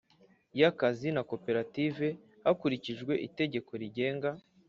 y akazi na Koperative hakurikijwe itegeko rigenga